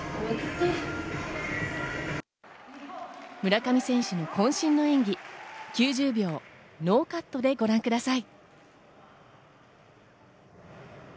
村上選手の渾身の演技、９０秒ノーカットでご覧ください。